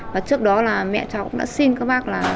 và trước đó mẹ cháu cũng đã xin các bác